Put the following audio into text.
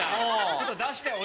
ちょっと出してお題。